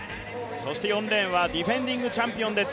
４レーンはディフェンディングチャンピオンです。